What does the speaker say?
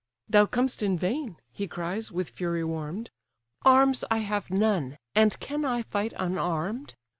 "Thou comest in vain (he cries, with fury warm'd); Arms I have none, and can I fight unarm'd?